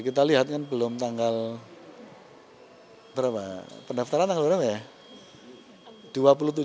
kita lihat kan belum tanggal berapa pendaftaran tanggal berapa ya